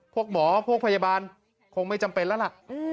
พวกหมอพวกพยาบาลคงไม่จำเป็นแล้วล่ะ